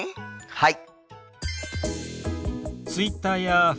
はい。